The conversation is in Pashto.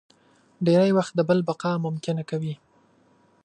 ډېری وخت د بل بقا ممکنه کوي.